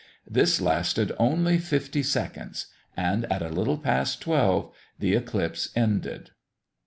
This lasted only fifty seconds; and, at a little past 12, the eclipse ended.